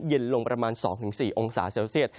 เย็นลงประมาณ๒๔องศาเซลเซียต